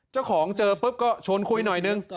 เจ้าของเจอปุ๊บก็ชนคุยหน่อยนึง